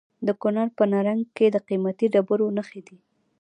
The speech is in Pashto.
د کونړ په نرنګ کې د قیمتي ډبرو نښې دي.